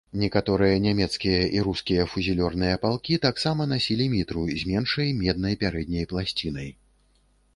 Некаторыя нямецкія і рускія фузілёрные палкі таксама насілі мітру з меншай меднай пярэдняй пласцінай.